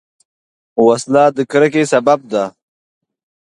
وسله د کرکې سبب ده